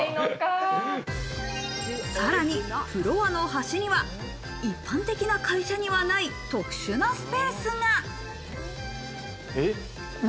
さらにフロアの端には、一般的な会社にはない特殊なスペースが。